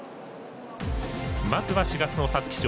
まずは４月の皐月賞。